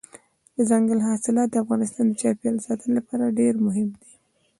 دځنګل حاصلات د افغانستان د چاپیریال ساتنې لپاره ډېر مهم دي.